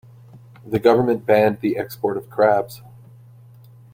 The government banned the export of crabs.